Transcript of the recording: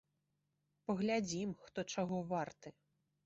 Паглядзім, хто чаго варты!